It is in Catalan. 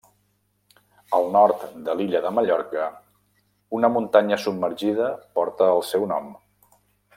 Al nord de l'illa de Mallorca una muntanya submergida porta el seu nom.